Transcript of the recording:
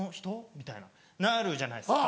みたいななるじゃないですか。